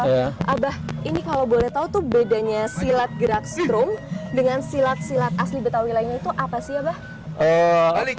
abah ini kalau boleh tahu tuh bedanya silat gerak strum dengan silat silat asli betawi lainnya itu apa sih abah